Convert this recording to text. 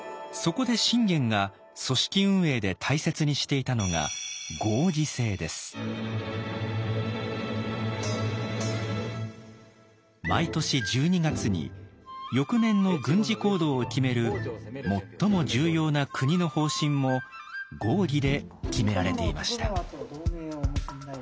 そこで信玄が組織運営で大切にしていたのが毎年１２月に翌年の軍事行動を決める最も重要な国の方針も合議で決められていました。